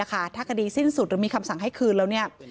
ถ้าคดีสิ้นสุดหรือมีคำสั่งให้คืนแล้วเนี่ย